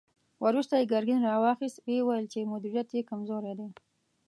وروسته يې ګرګين را واخيست، ويې ويل چې مديريت يې کمزوری دی.